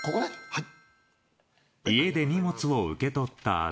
はい。